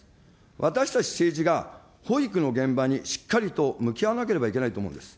私たち政治が、保育の現場にしっかりと向き合わなければいけないと思うんです。